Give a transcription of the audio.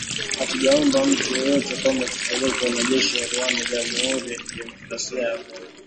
Hatujaomba mtu yeyote kwamba tupeleke wanajeshi wa Rwanda jamhuri ya kidemokrasia ya Kongo